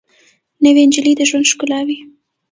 نوې نجلۍ د ژوند ښکلا وي